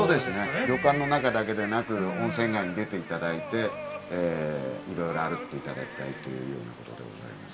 旅館の中だけではなく温泉街に出ていただいていろいろ歩いていただきたいと思います。